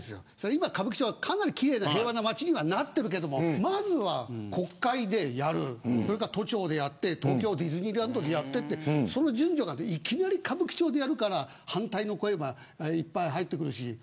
今は歌舞伎町は、かなり奇麗な平和な街になっているけどまずは、国会でやる、都庁や東京ディズニーランドでやっていきなり歌舞伎町でやるから反対の声がいっぱい入るし。